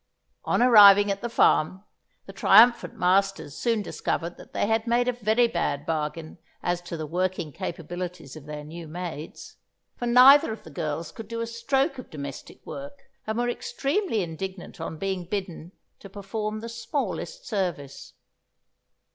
On arriving at the farm, the triumphant masters soon discovered that they had made a very bad bargain as to the working capabilities of their new maids; for neither of the girls could do a stroke of domestic work, and were extremely indignant on being bidden to perform the smallest service.